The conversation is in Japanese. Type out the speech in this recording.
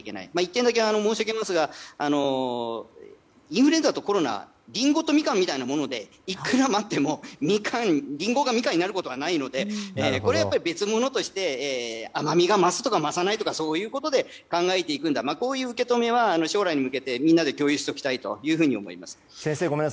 １点だけ申し上げますがインフルエンザとコロナリンゴとミカンみたいなものでいくら待ってもリンゴがミカンになることはないのでこれはやっぱり別物として甘みが増すとか増さないとかそういうことで考えていくんだという受け止めは将来に向けてみんなで共有しておきたいと思います。